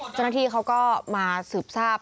เจ้าหน้าที่เขาก็มาสืบทราบ